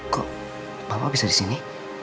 kok papa bisa disini